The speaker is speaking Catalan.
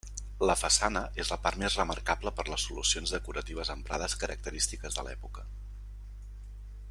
La façana és la part més remarcable per les solucions decoratives emprades característiques de l'època.